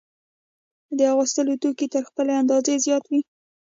د اغوستلو توکي تر خپلې اندازې زیات وي